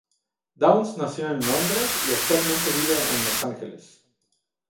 Downes nació en Londres y actualmente vive en Los Ángeles.